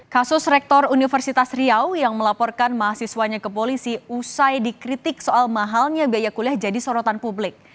kasus rektor universitas riau yang melaporkan mahasiswanya ke polisi usai dikritik soal mahalnya biaya kuliah jadi sorotan publik